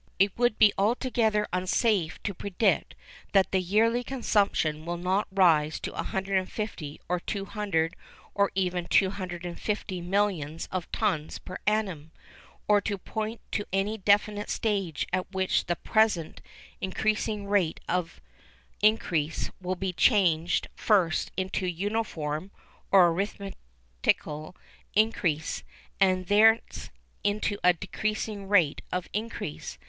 It would be altogether unsafe to predict that the yearly consumption will not rise to 150 or 200 or even 250 millions of tons per annum, or to point to any definite stage at which the present increasing rate of increase will be changed first into uniform (or arithmetical) increase, and thence into a decreasing rate of increase.